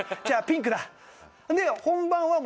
じゃあピンクだ。